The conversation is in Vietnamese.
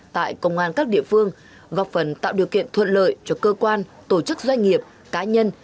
tại công an các địa phương góp phần tạo điều kiện thuận lợi cho cơ quan tổ chức doanh nghiệp cá nhân